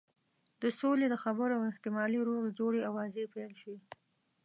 د سولې د خبرو او احتمالي روغې جوړې آوازې پیل شوې.